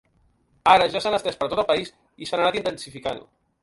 Ara ja s’han estès per tot el país i s’han anat intensificant.